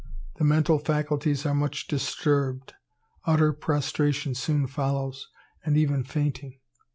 The mental faculties are much disturbed. Utter prostration soon follows, and even fainting.